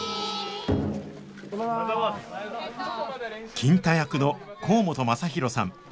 金太役の甲本雅裕さん。